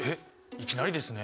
いきなりですね。